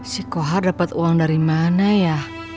si kohar dapat uang dari mana ya